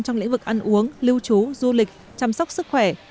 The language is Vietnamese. trong lĩnh vực ăn uống lưu trú du lịch chăm sóc sức khỏe